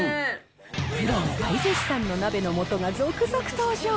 プロ大絶賛の鍋のもとが続々登場。